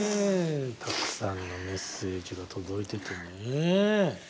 たくさんのメッセージが届いててね。